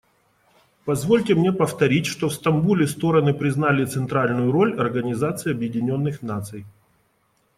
Позвольте мне повторить, что в Стамбуле стороны признали центральную роль Организации Объединенных Наций.